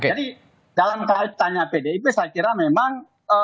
jadi dalam kaitannya pdip saya kira memang